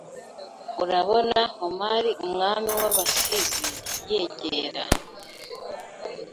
Urabona Homer Umwami w'Abasizi yegera